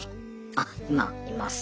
あ今います。